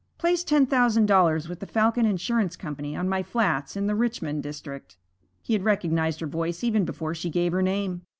Place ten thousand dollars with the Falcon Insurance Company on my flats in the Richmond District.' He had recognized her voice even before she gave her name.